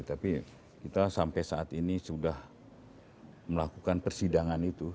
tapi kita sampai saat ini sudah melakukan persidangan itu